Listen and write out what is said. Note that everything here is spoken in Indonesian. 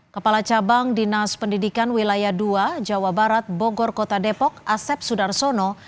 kepala cabang dinas pendidikan wilayah dua jawa barat bogor kota depok asep sudarsono